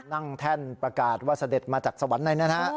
แท่นประกาศว่าเสด็จมาจากสวรรค์ในนะฮะ